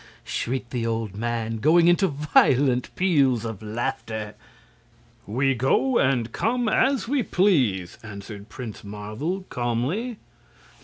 shrieked the old man, going into violent peals of laughter. "We go and come as we please," answered Prince Marvel, calmly.